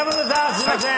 すいません！